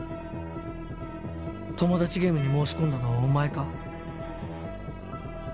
トモダチゲームに申し込んだのはお前か？